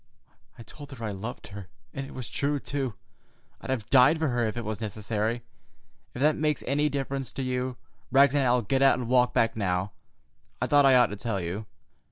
I told her I loved her! And it was true, too. I'd have died for her if it was necessary. If that makes any difference to you, Rags and I'll get out and walk back now. I thought I ought to tell you.